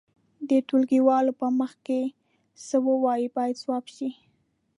د ټولګيوالو په مخ کې څه ووایئ باید ځواب شي.